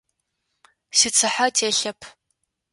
Сицыхьэ телъэп.